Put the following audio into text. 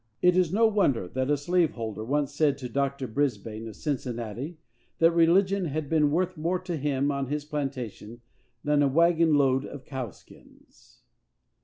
It is no wonder that a slave holder once said to Dr. Brisbane, of Cincinnati, that religion had been worth more to him, on his plantation, than a wagon load of cowskins.